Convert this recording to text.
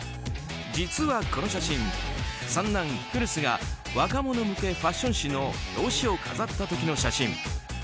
実はこの写真三男クルスが若者向けファッション誌の表紙を飾った時の写真。